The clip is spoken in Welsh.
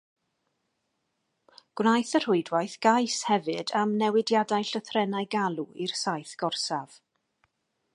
Gwnaeth y rhwydwaith gais hefyd am newidiadau llythrennau galw i'r saith gorsaf.